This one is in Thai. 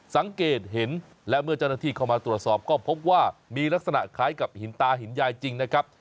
สังเกตเห็นและเมื่อเจ้าหน้าที่เข้ามาตรวจสอบก็พบว่ามีลักษณะคล้ายกับหินตาหินยายจริงนะครับ